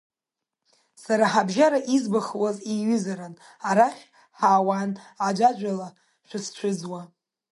Сара ҳабжьара избахуаз еиҩызаран арахь, ҳаауан аӡәаӡәала шәысцәыӡуа.